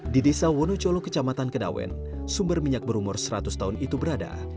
di desa wonocolo kecamatan kedawen sumber minyak berumur seratus tahun itu berada